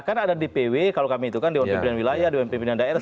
kan ada dpw kalau kami itu kan di pemimpinan wilayah di pemimpinan daerah